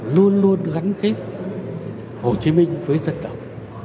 luôn luôn gắn kết hồ chí minh với dân tộc